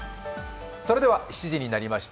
それでは７時になりました。